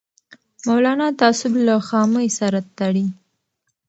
مولانا تعصب له خامۍ سره تړي